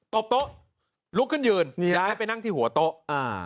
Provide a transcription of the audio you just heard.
บโต๊ะลุกขึ้นยืนย้ายไปนั่งที่หัวโต๊ะอ่า